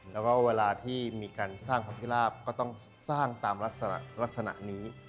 แล้วก็เวลาที่มีการสร้างพระพิราบก็ต้องสร้างตามลักษณะนี้